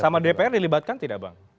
sama dpr dilibatkan tidak bang